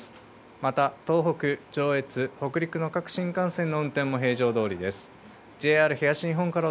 また東北、上越、北陸の各新幹線の運行も平常どおりです。